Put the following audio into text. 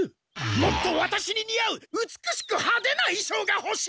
もっとワタシににあう美しく派手な衣装がほしい！